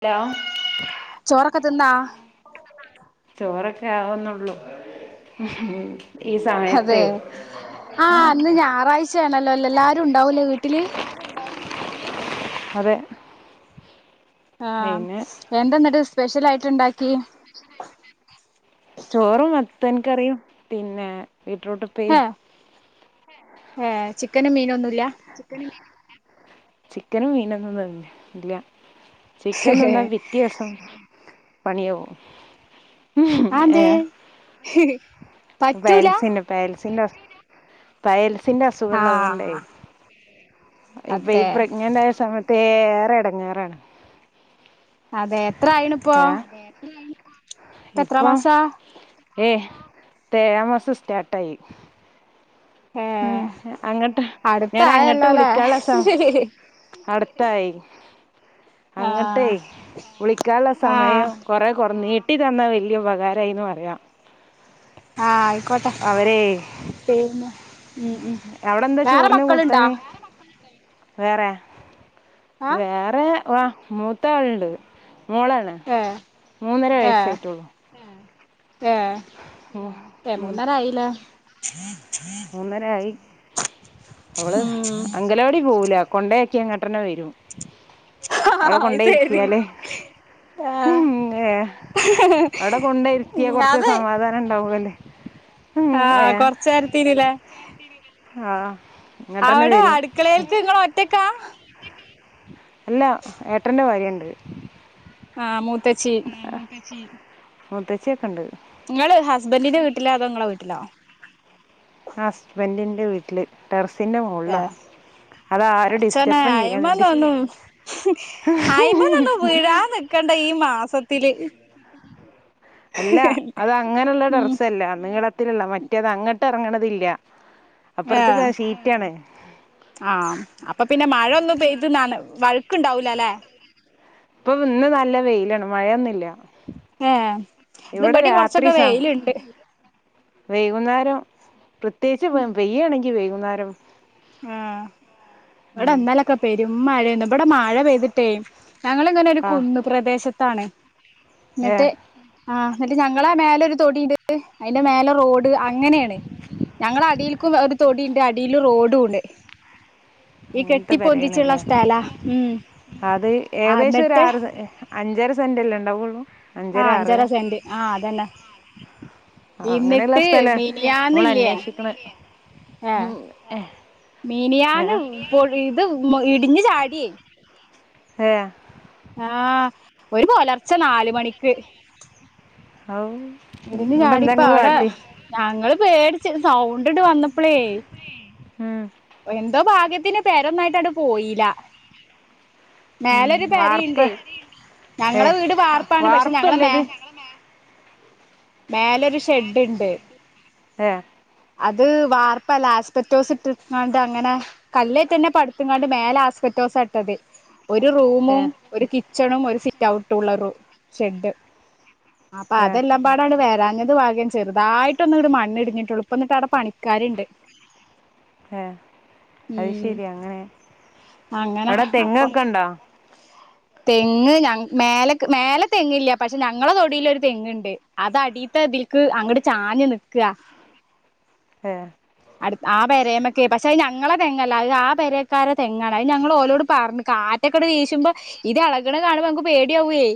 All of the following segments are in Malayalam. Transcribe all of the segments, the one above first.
അലോ ചോറൊക്കെ തിന്നാ ചോറൊക്കെ ആവുന്നുള്ളു മ്മ്ഹ് അതെ ആ ഇന്ന് ഞായറാഴ്ച്ചാണണല്ലോ എല്ലാരും ഉണ്ടാവൂല്ലേ വീട്ടില് അതെ ആ പിന്നെ എന്തെന്നിട്ട് സ്പെഷ്യലായിട്ട് ഇണ്ടാക്കി [unintelligible] ചോറും മത്തൻക്കറിയും പിന്നെ വീട്രൂട്ട് ഉ ഹേ ഏ ചിക്കനുമീനൊന്നുമില്ല ചിക്കനും മീനൊന്നും ഇല്ല ചിക്കൻ തിന്നാൽ പിറ്റേസം പണിയാവും ആന്തേ ഹിഹി പേൽസിന്നോ പേൽസിന്റെ പ്രശ് പയൽസിന്റെ അസുഖുള്ളതുകൊണ്ടേ ആഹ് ഇപ്പൊ ഈ അതെ പ്രഗ്നന്റായസമയത്ത് ഏറെ എടങ്ങേറാന്ന് അതേ ഏ ഇപ്പ എത്ര ഇപ്പം മാസാ ഏ തേഴാമാസം സ്റ്റാട്ടായി മ് ഏഹ് അങ്ങട്ട് ഞാൻ അങ്ങട്ട് അടുത്തായല്ലോല്ലേ വിളിക്കുനുള്ള ശ്രമ നട ട്ടായി അങ്ങട്ടെ ആഹ് വിളിക്കാള്ള ആഹ് സമയം കൊറേ കൊർ നീട്ടി തന്ന വെല്യാ ഉപകാരയിന്ന് പറയാം ആഹ ആയിക്കോട്ടെ അവരെ പിന്നെ ഉം ഉം അവിടെ എന്താ വേറെ ചോറിന് മക്കള്ണ്ടാ? കൂട്ടാന് വേറെ ആഹ് വേറേ വ മൂത്താ ആള്ണ്ട് മോളാണ്. ഏഹ് മൂന്നര ഏഹ് വയസ്സായിട്ടുള്ളൂ ഏഹ് ഏ മൂന്നര ആയില്ലേ? മൂന്നരായി അവള് ഉം അംഗലവാടി പോവുല കൊണ്ടയാക്കി ഇങ്ങോട്ടന്നെ വെരും അവള ആഹ് ശരി കൊണ്ടേയിരുത്തിയാല് ആഹ് ഉം ഏ അവ്ടെ കൊണ്ട ഇരിത്തിയാ കൊറച്ച് സമാധാനംണ്ടാവുല്ലേ ആ കൊർച്ചേരത്തിന് ലേ ആഹ് അവിടെ അടുക്കളേൽക്ക് ഇങ്ങളൊറ്റക്കാ? എല്ല ഏട്ടന്റെ ഭാര്യണ്ട്. ആഹ മൂത്തച്ചി മൂത്തച്ചി മുത്തച്ചിയൊക്കെണ്ട് ഇങ്ങള് ഹസ്ബൻന്റിന്റെ വീട്ടിലോ അതോ ങ്ങളെ വീട്ടിലോ? ആ ഹസ്ബൻന്റിന്റെ വീട്ടിൽ ടെറസിൻ്റെ മോള്ലാ പട്ചോനേ ആയിമാന്നോന്നും ആയിമാന്നൊന്നും വിഴാന്നി കണ്ട ഈ മാസത്തില് അല്ല അത് അങ്ങനെള്ള ഉം ടറസല്ല നീളത്തിലുള്ള മറ്റ മറ്റത് അങ്ങോട്ട് എറങ്ങണതില്ല അപ്പുർത്കൊക്കേ ഷീറ്റാണ്. ആഹ അപ്പൊ പിന്നെ മഴൊന്നും പെയ്ത് ന്നന വഴുക്കുണ്ടാവൂലല്ലെ? ഇപ്പൊ ഇന്ന് നല്ല വെയിലാണ് മഴയൊന്നുല്ല ഏഹ് ഇന്ന്പടി കൊർച്ചൊക്കെ സ വെയില്ണ്ട് വൈകുന്നേരം പ്രത്യേകിച്ച് വെയ്യയാണെങ്കി വൈകുന്നേരം ആഹ് ഉം ഇവിടെന്നാലൊക്കെ പെരും മഴേനു ഇവിടെ മഴ പെയ്തിട്ടേ ഞങ്ങളിങ്ങനെ ഒരു ആഹ് കുന്ന് പ്രദേശത്താണ് എന്നിട്ട് ഏഹ് ആഹ ന്നെട്ട് ഞങ്ങളെ ആ മേലൊരു തൊടിണ്ട് ട്ട് അയിന്റെ മേലെ റോഡ് അങ്ങനെയാണ് ഞങ്ങളേ അടീൽക്കും ഒരു തൊടിണ്ട് അടിൽ റോഡുംണ്ട്. ങ്ങനത്തെ പൊന്തിച്ചുള്ള പെരെയേണ്ലേ സ്ഥലാ ഉം അത് ഏകദേശം ഒരു എന്നിട്ട് ആറ് അഞ്ചര സെന്റ്ല്ലേണ്ടാവോള്ളൂ? ആഹ് അഞ്ചര സേന്റ് ആഹ് അതന്നെ ആ അങ്ങനെയുള്ള ഇന്നീട്ട് സ്ഥല നമ്മൾ മെനിയാന്നില്ലേ അന്വേഷിക്കണ ഏഹ് ഉം ഏഹ് മെനിയാന്ന് ഏഹ് പൊ ത് ഇടിഞ്ഞ് ചാടി ഏഹ് ആഹ് ഒരു പൊലർച്ചെ നാല് മണിക്ക് ഹൗവു ഇടിഞ് ചാടിപ്പ അവിടെ ഞങ്ങള് പേടിച്ച് സൗണ്ട് ണ്ട് വന്നപ്പെളേ ഉം എന്തോ ഭാഗ്യത്തിന് പെരൊന്നായിട്ടട്ട് പോയില്ല ഉം മേലൊരു വാർപ്പ് പെരേണ്ടേ ഞങ്ങളെ ഏഹ് വീട് പാർപ്പാണ് പക്ഷെ ഞങ്ങളെ മേ വാർപ്പല്ലേത് മേലൊരു ഷെഡ്ണ്ട് ഏഹ് അത് വാർപ്പല്ല ആസ്പെറ്റോസ്റ്റ് ഇട്ട് ങ്ങാട്ട് അങ്ങനെ കല്ലേറ്റന്നെ പഠിത്ങ്ങാണ്ട് മേലെ ആസ്പറ്റോസട്ടത്. ഒരു റൂമും ഏഹ് ഒരു കിച്ചണും ഒരു സിറ്റ് ഔട്ടുംള്ള റൂ ഷെഡ് അപ്പ ഏഹ് അതെല്ലാംപാടാട് വേരാഞ്ഞത് വാഗ്യനെ ചെറുതായിട്ട് ഒന്ന്ങ്ങട് മണ്ണിടിഞ്ഞിട്ട്ള്ളു പ്പം എന്നിട്ടവടെ പണിക്കാര്ണ്ട് ഏ ഉം അയ്ശരി അങ്ങനെ അങ്ങനെ അവിടെ അപ്പൊ തെങ്ങൊക്കെണ്ടോ [inaudible] തെങ്ങ് ഞ മേലെ തെങ് ഇല്ല പക്ഷെ ഞങ്ങളെ തൊടില് ഒരു തെങ്ങ്ണ്ട് അത് അടീത്തതിൽക്ക് അങ്ങട് ചാഞ്ഞ് നിക്ക ഏ അടു ആഹ് പെരേയ്മക്കെ പക്ഷെ അത് ഞങ്ങളെ തെങ്ങല്ല അത് ആഹ് പെരേക്കാരെ തെങ്ങാണ് അത് ഞങ്ങൾ ഓലോട് പറഞ്ഞ് കാ ടെക്കടെ വീശുമ്പൊ ഇത് എളകണെ കാണുമ്പോ ഞങ്ക് പേടിയാവുവേ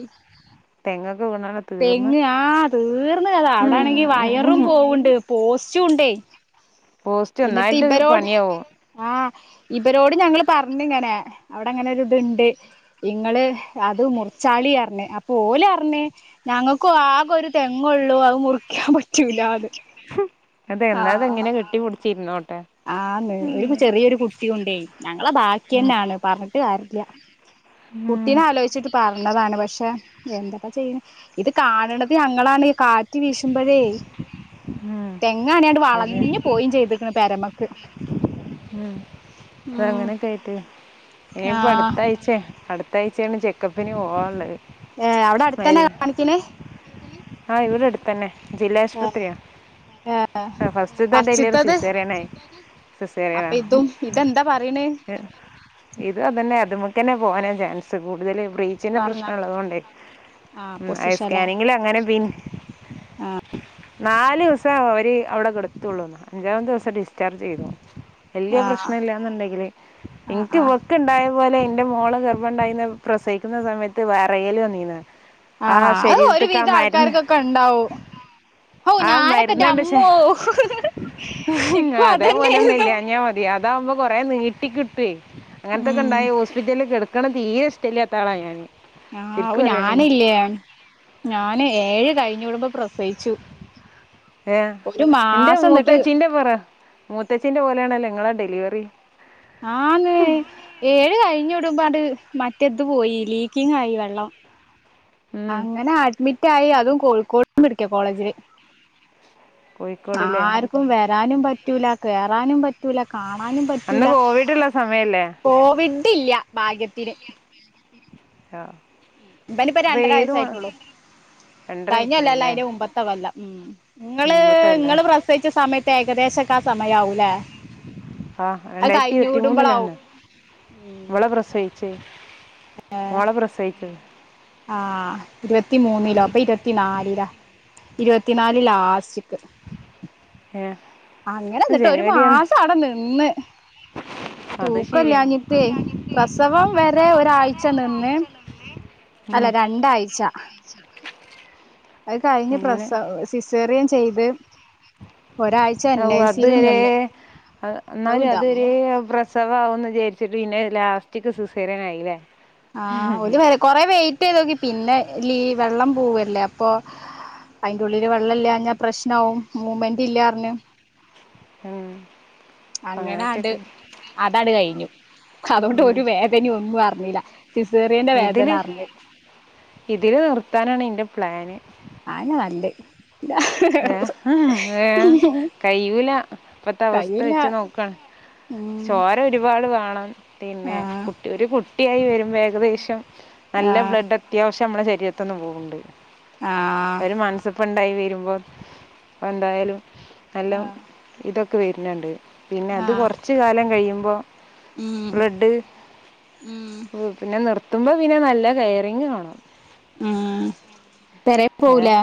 തെങ്ങൊക്കെ വീണാണ് തീർന്ന് തെങ്ങ് ആഹ് തീർന്ന് കഥ അവിട ആണെങ്കി ഉം വയറും പോവണ്ട് പോസ്റ്റുണ്ടേയ് പോസ്റ്റ് ഒന്നായിട്ട് പണിയാവും ആഹ് ഇവരോട് ഞങ്ങള് പറഞ്ഞ്ങ്ങനെ അവിടെ ഇങ്ങനെ ഒരു ഇത്ണ്ട് ഇങ്ങള് അത് മുറിച്ചാളി അറ്ഞ്ഞ് അപ്പൊ ഓലറ്ഞ്ഞ് ഞങ്ങക്കു ആകെ ഒരു തെങ്ങള്ളൂ അത് മുറിക്കാൻ പറ്റൂലാന്ന് അതെ ആഹ് എന്നാത്ങ്ങനെ കെട്ടിപിട്ച്ചിരുന്നോട്ടെ ആന്ന് ഒരു ചെറിയൊരു കുട്ടിയുണ്ടേയ് ഞങ്ങളെ ഉം ബാക്കിയെന്നാണ് പറഞ്ഞിട്ട് കാര്യല്ല ഉം കുട്ടീനാലോയ്ച്ചിട്ട് പറഞ്ഞതാണ് പക്ഷെ എന്താപ്പൊ ചെയ്യണെ ഇത് കാണണത് ഞങ്ങളാണ് കാ റ്റ് വീഷുബളേ ഉം തെങ്ങാണേയിട്ട് പിന്നെ വളഞ്ഞു പോയും ചെയ്തിക്കണ് പെരമക്ക് ഉം ഉം അതങ്ങനെയൊക്കൊയിട്ട് ഇനിയിപ്പ ആഹ് അടുത്താ ച്ചേ അടുത്ത ആഴ്ചയാണ് ചെക്കപ്പിന് പോവാള്ളത് ഏ അവിടെ അടുത്തതന്നെ കാണിക്കണേ ആഹ് ഇവിടെ അടുത്തന്നെ ജില്ലാ ഏഹ് ആശുപത്രിയാ ഏഹ് ആഹ് ഫസ്റ്റ്തെ ഡെലിറി ഫസ്റ്റ്ത്തത് സിസേറ്യനായി സിസേറ്യനാ അപ്പൊ ഇതും ഇതെന്താ പറയണേ ഇത് അതു അതെന്നെ അതുമക്കെന്നെ പോകാനാ ചാൻസ് കൂട്തൽ ബ്രീ ച്ചിന്ന പറഞ്ഞ പ്രശ്ന ഉള്ളതോണ്ടേ ആഹ് ഉം ഐ പൊസിഷല സ്കാനിങ്ങിൽ അങ്ങനെ പി ആഹ് നാലൂസം അവര് അവിടെ കെടുത്തുള്ളൂന്നാ അഞ്ചാമത്തോസം ഡിസ്ചാർജ് ചെയ്തു വലിയ ആഹ് പ്രശ്നം ഇല്ലന്നുണ്ടെങ്കില് ആഹ് ഇൻക്ക് ആഹ് ഇ ഇണ്ടായ പോലെ എന്റെ മോള് ഗർഭംണ്ടായിന്ന് പ്രസിക്കുന്ന സമയത്ത് വെരയല് വന്നീന് ആഹ് അത് ഒരുവിധം ആൾക്കാർക്കൊക്കെ ഉണ്ടാവും ഔ ആ മരുന്നുണ്ട് ഞാനക്കൻ്റമ്മോ ശേ ഇക്കും അതേപോലെ ഒന്നും അതന്നെര്ന്നു ഇല്ലാഞ്ഞാ മതി അതാവുമ്പോ കൊറെേ നീട്ടി കിട്ടു ഉം അങ്ങനത്തൊക്കെണ്ടായ ഹോ ഹ്പിറ്റലൽ കെട്ക്കണെ തീരെ ഇഷ്ട്ടല്ല്യത്തളാണ് ഞാൻ ആഹ് ഞാനില്ല്യേ ഞാന് ഏഴ് കഴിഞ്ഞൂടുമ്പോ പ്രസോയിച്ചു ഏ എൻ്റെ എന്നിട്ട് മൂത്തച്ചീൻ്റെ പറ മൂത്തച്ചീൻ്റെ പോലെയാണല്ലോ ഇങ്ങളെ ഡെലിവറി ആന്ന് ഏഴ് കഴിഞ്ഞുടുമ്പാട്ട് മറ്റെത് പോയി ലീക്കിങ് ആയി വെള്ളം ഉം അങ്ങനെ അഡ്മിറ്റായി അതും കോഴിക്കോട് മെഡിക്കൽ കോളേജില് കോഴിക്കോട്ല്ലേ ആർക്കും വരാനും പറ്റൂല കേറാനും പറ്റ പറ്റൂല കാണാനും അന്ന് പറ്റൂല്ല കോവിഡ്ള്ള സമയല്ലേ കോവിഡ്ഡില്ല്യ ഭാഗ്യത്തിന് ആഹ് ഇബനിപ്പൊ രണ്ടര വയസ്സായിട്ടുള്ളു രണ്ടര കയിഞ്ഞൊല്ല അല്ല ആയിട്ടുള്ളൂല്ലേ അയിന്റെ മുമ്പത്തെ കൊല്ലം ആഹ് ങ്ങള് മുമ്പത്തെ കൊല്ലാ ഇങ്ങള് പ്ര സൊയ്ച്ച സമയത്ത് ഏകദേശൊക്കെ ആഹ് സമയാവൂലെ ആഹ് രണ്ടായിരത്തി ഇരുപത്തി മൂന്നിലാണ് ഉം ഇവളെ പ്രസയി ച്ച് മോളെ പ്രസോയിച്ചത് ആഹ് ഇരുപത്തി മൂന്നിലോ അപ്പൊ ഇരുപത്തി നാലിലാ ഇരുപത്തി നാല് ലാസ്റ്റിക്ക് ഏഹ് അങ്ങനിട്ടോ ഒരു മാസം അവിടെ നിന്ന്. അത് ശരിയാ തൂക്കിലഞ്ഞിട്ടേ പ്രസവം വരെ ഒരാഴ്ച നിന്ന്- അല്ല ഉം രണ്ടാഴ്ച അത് കഴിഞ്ഞ് അങ്ങനെ പ്രസവ സിസേറിയൻ ചെയ്ത് ഒരാഴ്ച എൻ ഓ ഐ സിയിലും അതേലെ നിന്ന് ഔ എന്നാലും അതൊരു ന്റമ്മോ പ്രശ്- പ്രസവാവോന്നു വിചാരിച്ചിട്ട് പിന്നെ ലാസ്റ്റിക്ക് സിസേറിയൻ ആയില്ലേ ആഹ് ഒലു വരെ കൊറെ വെയിറ്റ് ചെയ്ത് നോക്കി പിന്നെ ലീ വെള്ളം പോവല്ലേ അപ്പൊ അയിന്റുള്ളില് വെള്ളല്ലാഞ്ഞാ പ്രശ്നാവും മൂവ്മെന്റ് ഇല്ലാർഞ്ഞ് ഉം അങ്ങനൊക്കെ അങ്ങനാണ്ട് ആയിട്ട് അതാട് കഴിഞ്ഞു അതുകൊണ്ട് ഉം ഒരു വേദനിം ഒന്നും അർഞ്ഞീല്ല സിസേറിയന്റെ വേദന ഇതില് അറിഞ്ഞ് ഇതില് നിർത്താനാണ് ഇന്റെ പ്ലാന് അയെന്നെ നല്ലെ [unintelligible] ഏഹ് ഉം ഏഹ് കയ്യൂല ഇപ്പത്തെ അവസ്ഥ കയ്യില്ല വെച്ച് നോക്കാ ഉം ചോര ഒരുപാട് വാണം പിന്നെ ആഹ് കുട്ടി ഒരു കുട്ടിയായി വരുമ്പേ [unintelligible] നല്ല ആഹ് ബ്ലഡ് അത്യാവശ്യം നമ്മളെ ശരീരത്ത്ന്ന് പോവ്ണ്ട് ആഹ് ഒര് മന്സപ്പണ്ടായി വരുമ്പോ ആഹ് എന്തായാലും നല്ലോം ആഹ് ഇതൊക്കെ വര്ന്ണ്ട് പിന്നെ അത് ആഹ് കൊറച്ച് കാലം കയുമ്പോ ഉം ബ്ലഡ് ഉം ഓഹ് പിന്നെ നിർ- ത്തുമ്പോ പിന്നെ നല്ല കെയറിങ്ങ് വാണം ഉം പെരെ ഏ പോവുലേ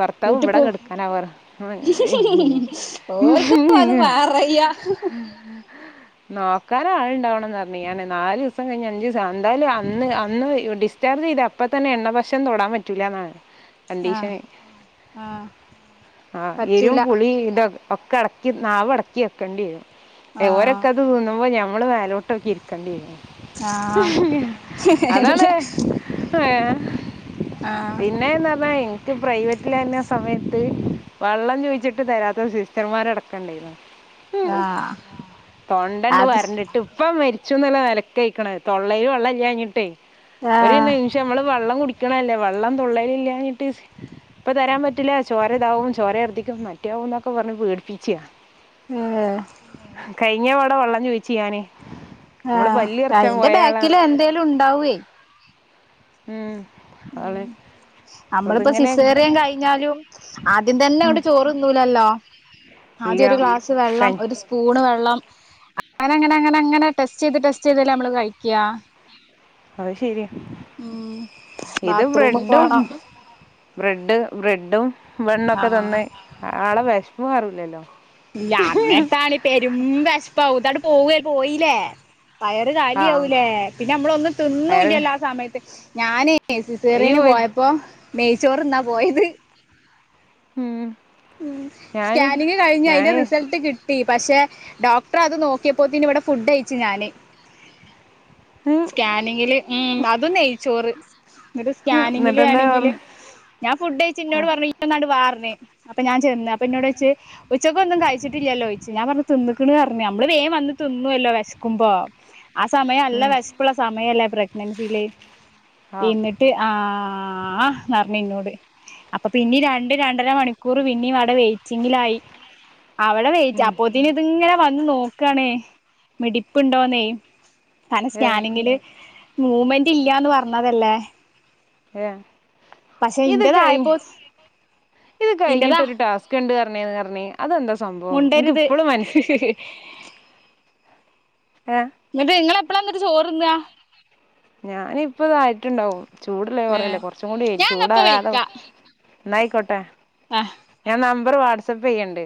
ഭർത്താവ് വീട്ടി ഇവടെ പോ കെട്ക്കാനവറ ഉം ഓര്ക്കും അത് [unintelligible] പറയാ നോക്കാനാള്ണ്ടാവണം എന്നർഞ്ഞ് ഞാർഞ്ഞ് നാലോസം കഴിഞ്ഞ് അഞ്ചീസം ആഹ് എന്തായാലും അന്ന് അന്ന് ഏഹ് ഡിസ്ചാർജ് ചെയത അ ഇപ്പ തന്നെ എണ്ണ ഭക്ഷൺ തൊടാ പറ്റൂല്ലാന്നാണ് ആഹ് ആഹ് ആഹ് എരിവും പറ്റൂല പുളിം ഇതൊ ഒക്കെ അടക്കി നാവടക്കി വെക്കെണ്ടി വരും ഏഹ് ആഹ് ഓരൊക്കെ [unintelligible] തിന്നുമ്പോ നമ്മള് മേലോ ട്ടോക്കി ഇരിക്കെണ്ടി വരും ആഹ് ഇല്ല്യാ ഇല്ല അതാണ് അയ്യോ ആഹ് പിന്നേന്നർഞ്ഞാ ഇന്ക്ക് പ്രൈവറ്റ്ലായ്ര്ന്ന സമയത്ത് വള്ളം ചോയിച്ചിട്ട് തരാത്ത സിസ്റ്റർമാരടക്കണ്ടേരുന്നു ഉം ആഹ് തൊണ്ടാട്ന്ന് അത് വരണ്ട്ട്ട് ഇപ്പ മര് ച്ചും ന്ന്ള്ള നെലക്കേയ്ക്ക്ണ് തൊള്ളേല് വെള്ളെല്ലാഞ്ഞിട്ടെ ഒരു നേ ആഹ് റ്റം അമ്മള് വെള്ളം കുടിക്ക്ണെല്ലേ വള്ളം തൊള്ളേല് ഇല്ലാഞ്ഞിട്ട് ഇപ്പം തരാം പറ്റൂല്ല ചോര ഇതാവും ചോരെർദിക്കും മറ്റാവുന്നൊക്കെ പറഞ്ഞ് പേട്പ്പിച്ചാ ഏഹ് കഴിഞ്ഞപാടെ വെള്ളം ചോയിച്ച ഞാന് ആഹ് അയിന്റെ ബാക്കില് എന്തേലുണ്ടാവേ ഉം അതെ അമ്മള്പ്പോ സിസേറിയൻ കഴിഞ്ഞാലും ആദ്യം തന്നെ ഉം, അങ്ങട് ചോറ്ന്നൂല്ലല്ലോ ഇല്ല ആദ്യ ഒരു ഗ്ലാസ് വെള്ളം കഞ്ഞി ഒര് സ് പൂണ് വെള്ളം അങ്ങനെ അങ്ങനെ അങ്ങനെ അങ്ങനെ ടെസ്റ്റെയ്ത് ടെസ്റ്റെയ്തല്ലേ അമ്മള് കഴിക്ക്യാ അഹ് ശരിയാ ഉം ഇത് ബാത്റൂമ് ബ്രെഡും പോണം ഉം ബ്രെഡ് ബ്രെഡും ബെണ്ണൊക്കെ ആഹ് തന്ന് ആ ആളെ വെശ്പ്പ് മാറൂല്ലല്ലോ ഇല്ലാ അന്നേര്ത്താണെ പെരും വെശ്പ്പാവും ഇതാട്ട് പോവെ പോയില്ലേ വയറ് ആ കാലിയാവൂലേ പിന്നെ അമ്മളൊന്നും അയാള് തിന്നൂല്ലല്ലോ ആ സമയത്ത് ഞാനേ ഏഹ് അയ്യോ സിസേറിയന് പോയപ്പോ നെയ്ച്ചോറ്ന്നാ പോയത് ഉം ഉം ഞാന് സ്കാനിങ് കഴിഞ്ഞ് അയിന്റെ ഞാന് റിസൾട്ട് കി ട്ടി പക്ഷേ ഡോക്ടറത് നോക്കിയപ്പോത്തിനി ഇവടെ ഫുഡയ്ച്ച് ഞാന് ഉം, സ്കാനിങ്ങില് ഉം അതും നെയ്ച്ചോറ് ഇന്നിട്ട് ഉം, സ്കാനിങ്ങില് എന്നിട്ടെന്താ ആണെങ്കില് പറഞ്ഞ് ഞാൻ ഫുഡഴ്ച്ച് ഇന്നോട് പറഞ്ഞു ഇയ്യൊന്നാട്ട് വാർഞ്ഞ് അപ്പം ഞാൻ ചെന്ന് അപ്പം ഇന്നോടോയ്ച്ച് ഉച്ചക്കൊന്നും കഴിച്ചിട്ടില്ലല്ലോയ്ച്ച് ഞാ പറ്ഞ്ഞു തിന്ന്ക്ക്ണർഞ്ഞ് നമ്മള് വേം വന്ന് തിന്നൊല്ലോ വെശ്ക്ക്മ്പോ ആ സമയം നല്ല ഉം, വെശ് പ്പ്ള്ള സമയല്ലേ പ്രഗ്നൻസില് ആ ഈ മെ ട് ആഹ് ന്നർഞ്ഞ് ഇന്നോട് അപ്പം പിന്നിം രണ്ട് രണ്ടര മണിക്കൂറ് പിന്നിം ആടെ വെയറ്റിങ്ങിലായി അവടെ വെയ്റ്റ് ഉം, അപ്പോ റ്റിന് ത് ങ്ങനെ വന്ന് നോക്കാണേ മിടിപ്പ്ണ്ടോന്നേയ് കാ ഏ സ്കാനിങ്ങില് മൂവ്മെന്റ് ഇല്ലാന്ന് പറഞ്ഞതല്ലേ ഏഹ് പക്ഷെ ഇത് കഴിഞ്ഞ് ഇന്റതായപ്പോ ഇത് ഇന്റതാ കഴിഞ്ഞിട്ടൊരു ടാസ് ക്ക്‌ണ്ട് പറഞ് ന്നറഞ്ഞ് അതെന്താ സംഭവം ന്ക്ക് മുണ്ടരുത് ഇപ്പളും മനസ്സ് [unintelligible] ഏഹ് ന്നട്ട് ഇങ്ങളെപ്പളാന്നട്ട് ചോറ്ന്നാ ഞാൻ ഇപ്പം ഇതായിട്ടുണ്ടാവും ചൂടുള്ള ചോറല്ലേ ഏഹ് കൊറച്ചും കൂടേയ് ഞാൻന്നാ ഇപ്പ ചൂടാറാതെ ന്നായിക്കോട്ടേ അഹ് ഞാൻ നമ്പറ് വാട്സപ്പ് ചെയ്യണ്ട്